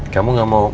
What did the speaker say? kamu gak mau